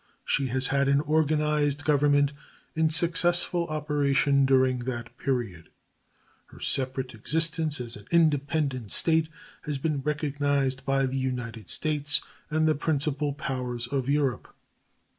She has had an organized government in successful operation during that period. Her separate existence as an independent state had been recognized by the United States and the principal powers of Europe.